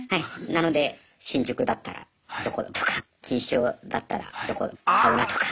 なので新宿だったらどことか錦糸町だったらどこのサウナとか。